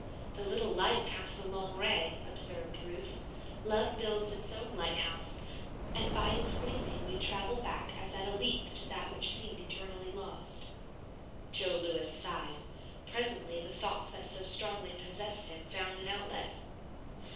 "The little light casts a long ray," observed Ruth. "Love builds its own lighthouse, and by its gleaming we travel back as at a leap to that which seemed eternally lost." Jo Lewis sighed. Presently the thoughts that so strongly possessed him found an outlet.